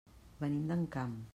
Venim d'Encamp.